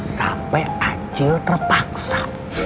sampai acil terpaksa